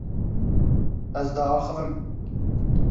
Ez diaxivim.